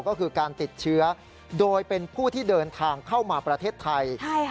ก็คือการติดเชื้อโดยเป็นผู้ที่เดินทางเข้ามาประเทศไทย